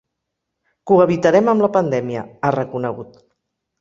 Cohabitarem amb la pandèmia, ha reconegut.